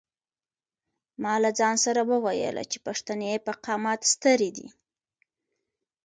ما له ځان سره وویل چې پښتنې په قامت سترې دي.